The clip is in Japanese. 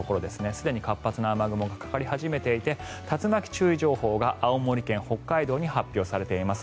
すでに活発な雨雲がかかり始めていて竜巻注意情報が青森県、北海道に発表されています。